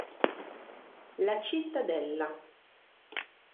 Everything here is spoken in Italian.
La cittadella